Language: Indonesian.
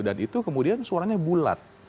dan itu kemudian suaranya bulat